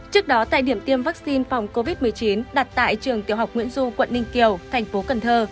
trước đó tại điểm tiêm vaccine phòng covid một mươi chín đặt tại trường tiểu học nguyễn du quận ninh kiều tp cn